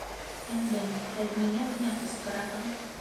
Һеңлем, һеҙ ниңә миңә ҡысҡыраһығыҙ?